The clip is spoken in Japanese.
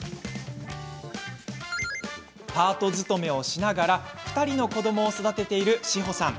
パート勤めをしながら２人の子どもを育てている志保さん。